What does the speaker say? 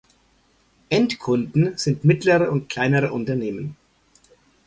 Endkunden sind mittlere und kleinere Unternehmen.